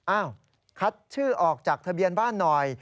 คัดชื่อออกจากทะเบียนบ้านหน่อย